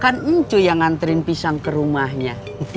kan encu yang nganterin pisang ke rumahnya